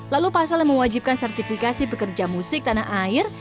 lalu pasal yang mewajibkan sertifikasi pekerja musik tanah air